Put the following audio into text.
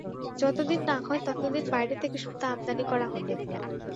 যত দিন না হয় তত দিন বাইরে থেকে সুতা আমদানি করা হবে।